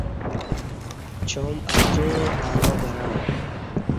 چام اتیوݩع انا برݩع